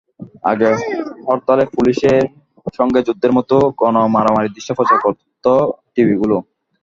আগে হরতালে পুলিশের সঙ্গে যুদ্ধের মতো গণমারামারির দৃশ্য প্রচার করত টিভিগুলো।